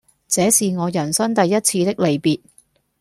這是我人生第一次的離別